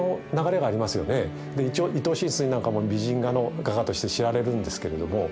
一応伊東深水なんかも美人画の画家として知られるんですけれども。